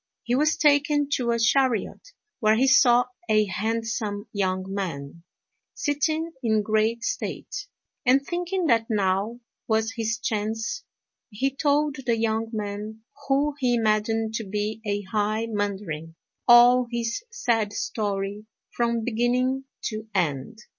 He was taken to a chariot, where he saw a handsome young man, sitting in great state; and thinking that now was his chance, he told the young man, who he imagined to be a high mandarin, all his sad story from beginning to end.